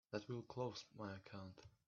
That'll close my account.